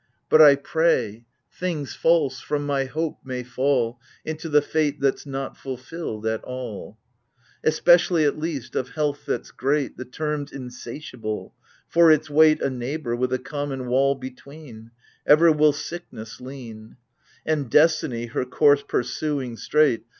But I pray — things false, from my hope, may fall Into the fate that's not fulfilled at all ! Especially at least, of health that's great The term's insatiable : for, its weight — A neighbour, with a common wall between — Ever will sickness lean ; And destiny, her course pursuing straight.